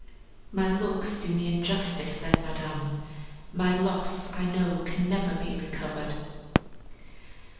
"My looks do me injustice then, Madame, my loss I know can never be recovered."